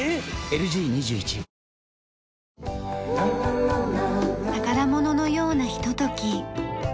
⁉ＬＧ２１宝物のようなひととき。